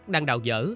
đang đào dở